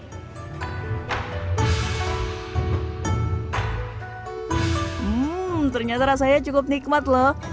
hmm ternyata rasanya cukup nikmat loh